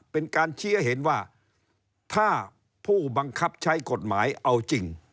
เป็นการชี้ให้เห็นว่าถ้าผู้บังคับใช้กฎหมายเอาจริง